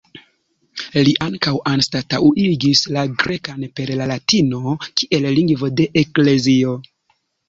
Li ankaŭ anstataŭigis la grekan per la latino kiel lingvo de eklezio.